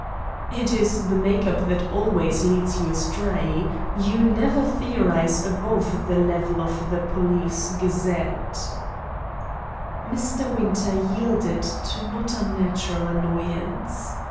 "It is the make up that always leads you astray. You never theorise above the level of the Police Gazette." Mr. Winter yielded to not unnatural annoyance.